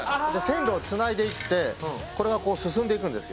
線路をつないでいってこれがこう進んでいくんですよ。